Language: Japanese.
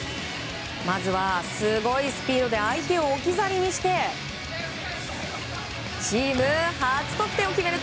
まずはすごいスピードで相手を置き去りにしてチーム初得点を決めると。